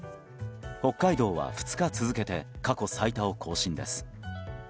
北海道は、２日続けて過去最多を更新です。